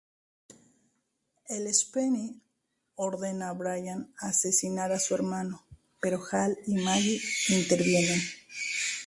El "Espheni" ordena a Brian asesinar a su hermana pero Hal y Maggie intervienen.